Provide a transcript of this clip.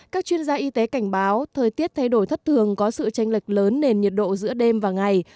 các chuyên gia y tế cảnh báo thời tiết thay đổi thất thường có sự tranh lệch lớn nền nhiệt độ giữa đêm và ngày